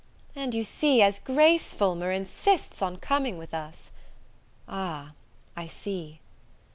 "And, you see, as Grace Fulmer insists on coming with us " "Ah, I see."